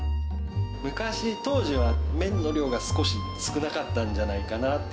昔、当時は麺の量が少し少なかったんじゃないかなって。